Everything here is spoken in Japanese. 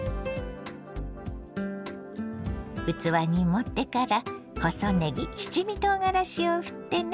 器に盛ってから細ねぎ七味とうがらしをふってね。